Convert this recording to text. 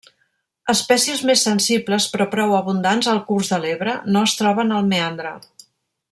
Espècies més sensibles, però prou abundants al curs de l'Ebre, no es troben al meandre.